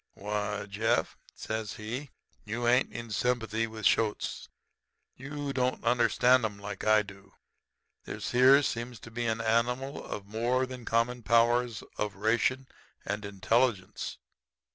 "'Why, Jeff,' says he, 'you ain't in sympathy with shoats. You don't understand 'em like I do. This here seems to me to be an animal of more than common powers of ration and intelligence.